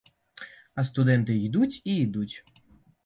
А студэнты ідуць і ідуць.